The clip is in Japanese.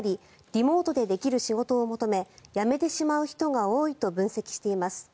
リモートでできる仕事を求め辞めてしまう人が多いと分析しています。